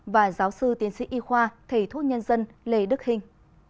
và giáo sư tiến sĩ y khoa thầy thuốc nhân dân lê đức hình